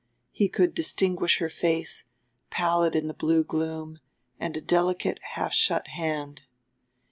He could distinguish her face, pallid in the blue gloom, and a delicate, half shut hand.